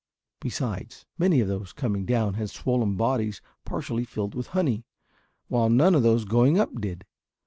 Besides, many of those coming down had swollen bodies partially filled with honey, while none of those going up did.